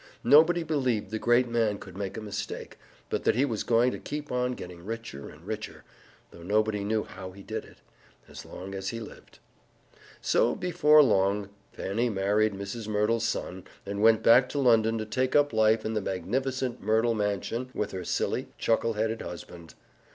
Nobody believed the great man could make a mistake, but that he was going to keep on getting richer and richer (though nobody knew how he did it) as long as he lived. So, before long, Fanny married Mrs. Merdle's son, and went back to London to take up life in the magnificent Merdle mansion with her silly, chuckle headed husband.